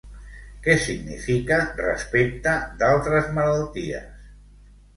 Què significa respecte d'altres malalties?